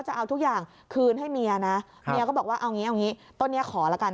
จะเอาทุกอย่างคืนให้เมียนะเมียก็บอกว่าเอางี้เอางี้ต้นนี้ขอละกัน